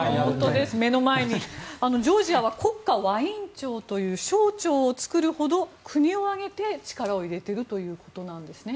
ジョージアは国家ワイン庁という省庁を作るほど国を挙げて力を入れているということなんですね。